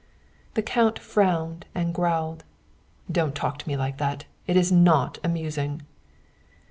The count frowned and growled. "Don't talk to me like that. It is not amusing."